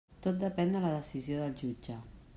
Tot depèn de la decisió del jutge.